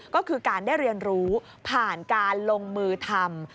ก็คือการได้เรียนรู้ผ่านการลงมือทำ